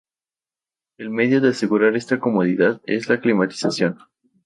El medio de asegurar esta comodidad es la climatización.